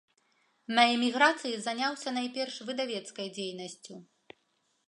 На эміграцыі заняўся найперш выдавецкай дзейнасцю.